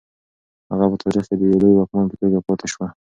هغه په تاریخ کې د یو لوی واکمن په توګه پاتې شو.